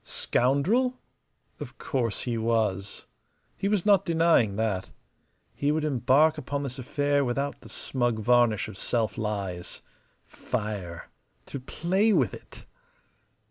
Scoundrel? Of course he was. He was not denying that. He would embark upon this affair without the smug varnish of self lies. Fire to play with it!